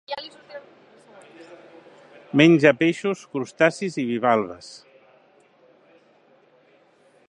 Menja peixos, crustacis i bivalves.